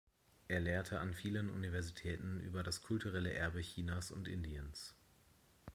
Er lehrte an vielen Universitäten über das kulturelle Erbe Chinas und Indiens.